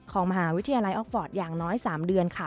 ของมหาวิทยาลัยออกฟอร์ตอย่างน้อย๓เดือนค่ะ